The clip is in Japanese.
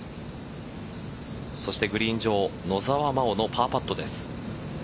そしてグリーン上野澤真央のパーパットです。